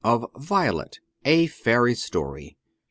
VIOLET: A FAIRY STORY.